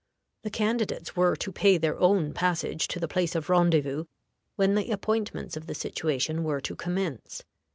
The candidates were to pay their own passage to the place of rendezvous, when the appointments of the situation were to commence.